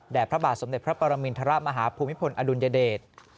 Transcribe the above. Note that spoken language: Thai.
พระบาทสมเด็จพระปรมินทรมาฮภูมิพลอดุลยเดช